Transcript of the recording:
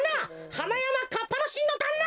はなやまかっぱのしんのだんな！